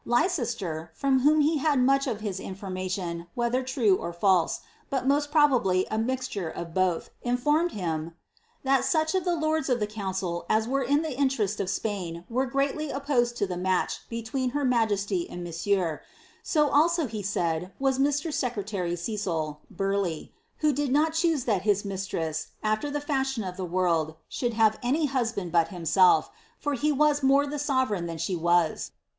Leicester, from whom he had much of his information, whether true or false, but most probably a mixture of both, informed him, ^ that such of the lords of the council as were in t}ie interest of Spain were greatly opposed to the match between her majesty and monsieur, so also he said was Mr. Secretary Cecil ( Bur leigh ^, w^ho did not choose that his mistress, after the fashion of the world, should have any husband but himself, for he was more t)ie sove reign than she was."